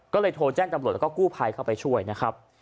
ก็เลยโทรแจ้งตำรวจแล้วก็กู้ภัยเข้าไปช่วยนะครับ